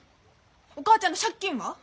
お母ちゃんの借金は？